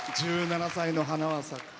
１７歳の「花は咲く」。